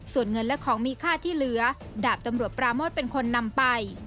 ส่วนเงินและของมีค่าที่เหลือดาบตำรวจปราโมทเป็นคนนำไป